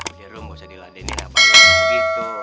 udah rom gak usah diladenin abang begitu